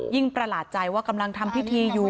ประหลาดใจว่ากำลังทำพิธีอยู่